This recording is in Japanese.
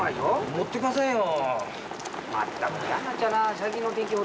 持ってませんよ。